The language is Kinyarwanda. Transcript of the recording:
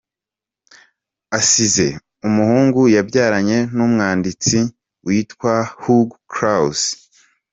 Asize umuhungu yabyaranye n’umwanidtsi witwa Hugo Claus.